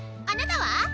あなたは？